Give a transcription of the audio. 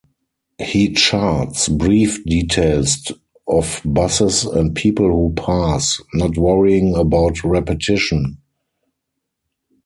He charts brief details of buses and people who pass, not worrying about repetition.